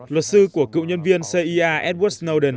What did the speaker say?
luật sư của cựu nhân viên cia edward snowden